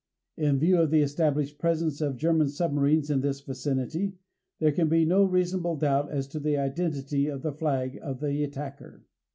In view of the established presence of German submarines in this vicinity, there can be no reasonable doubt as to the identity of the flag of the attacker.